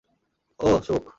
ওহ, সুখ!